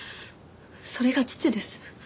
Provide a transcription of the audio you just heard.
それが父です。